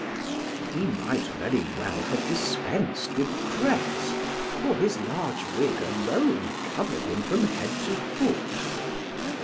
He might very well have dispensed with dress, for his large wig alone covered him from head to foot.